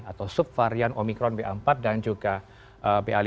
atau subvarian omikron b empat dan juga b lima